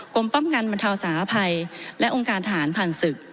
กรมป้องกันบรรเทาสาธัยและองค์การทหารผ่านศึก